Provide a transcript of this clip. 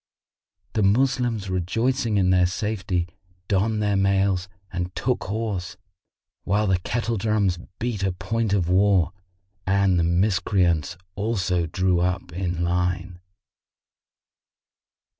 The Moslems, rejoicing in their safety, donned their mails and took horse, while the kettle drums beat a point of war; and the Miscreants also drew up in line.